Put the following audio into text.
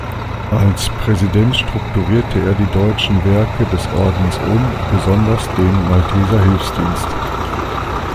Als Präsident strukturierte er die deutschen Werke des Ordens um, besonders den Malteser Hilfsdienst.